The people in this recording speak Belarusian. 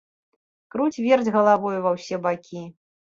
Круць-верць галавою ва ўсе бакі.